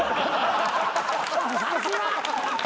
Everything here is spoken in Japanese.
さすが！